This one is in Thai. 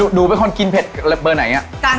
หนูเป็นคนกินเผ็ดเบอร์ไหน